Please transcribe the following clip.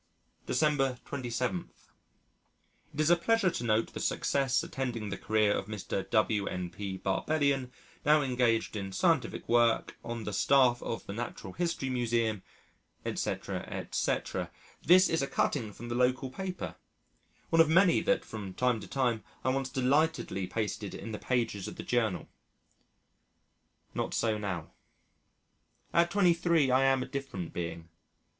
December 27. "It is a pleasure to note the success attending the career of Mr. W.N.P. Barbellion now engaged in scientific work on the staff of the Natural History Museum ..." etc., etc. This is a cutting from the local paper one of many that from time to time I once delightedly pasted in the pages of the Journal. Not so now. ... At 23, I am a different being.